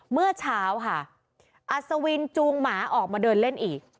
เมื่อเช้าค่ะอัศวินจูงหมาออกมาเดินเล่นอีก